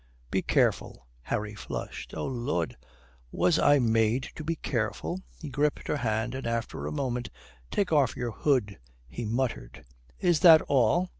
"Be careful." Harry flushed. "Oh Lud, was I made to be careful?" He gripped her hand, and, after a moment, "Take off your hood," he muttered. "Is that all?"